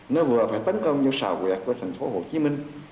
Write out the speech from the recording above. nó vừa phải tấn công vào xào huyệt của thành phố hồ chí minh